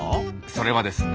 それはですね